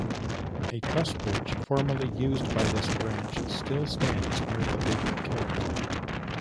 A truss bridge formerly used by this branch still stands near the Big Carrot.